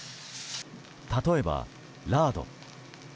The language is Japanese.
例えば、ラード。